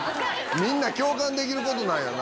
みんな共感できることなんやな。